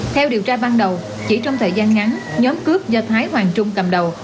theo điều tra ban đầu chỉ trong thời gian ngắn nhóm cướp do thái hoàng trung cầm đầu